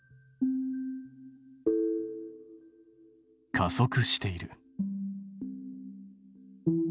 加速している。